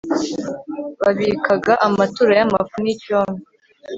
babikaga amaturo y'amafu n'icyome